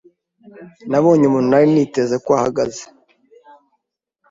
Nabonye umuntu nari niteze ko ahagaze.